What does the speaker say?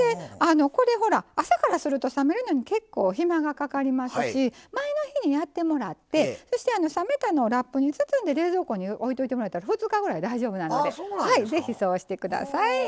これほら朝からすると冷めるのに結構暇がかかりますし前の日にやってもらってそして冷めたのをラップに包んで冷蔵庫に置いといてもらったら２日ぐらい大丈夫なので是非そうして下さい。